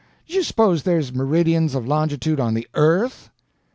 Did you s'pose there's meridians of longitude on the _earth?